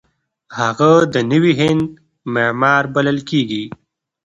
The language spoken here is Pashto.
هغه د نوي هند معمار بلل کیږي.